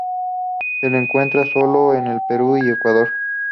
Se la encuentra solo en el Perú y Ecuador.